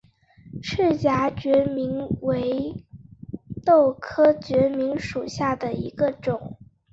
翅荚决明为豆科决明属下的一个种。